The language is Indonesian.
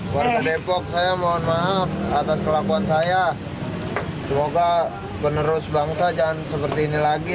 warga depok saya mohon maaf atas kelakuan saya semoga penerus bangsa jangan seperti ini lagi